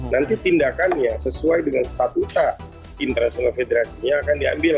nanti tindakannya sesuai dengan statuta international federasinya akan diambil